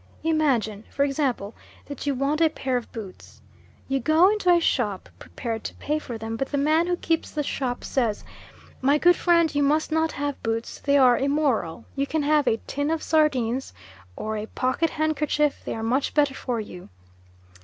Imagine, for example, that you want a pair of boots. You go into a shop, prepared to pay for them, but the man who keeps the shop says, "My good friend, you must not have boots, they are immoral. You can have a tin of sardines, or a pocket handkerchief, they are much better for you."